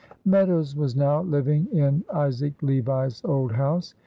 Meadows was now living in Isaac Levi's old house.